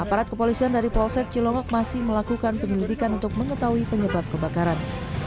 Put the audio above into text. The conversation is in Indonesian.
aparat kepolisian dari polsek cilomak masih melakukan penyelidikan untuk mengetahui penyebab kebakaran